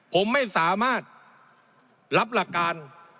ผมไม่สามารถรับหลักการ